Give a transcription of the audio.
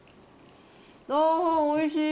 ああ、おいしい。